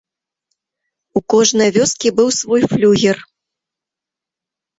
У кожнай вёскі быў свой флюгер.